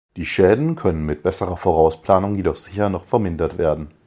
Die Schäden können mit besserer Vorausplanung jedoch sicher noch vermindert werden.